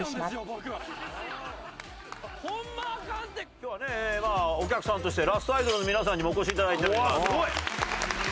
今日はねまあお客さんとしてラストアイドルの皆さんにもお越しいただいております。